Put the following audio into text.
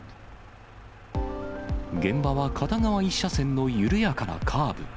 現場は片側１車線の緩やかなカーブ。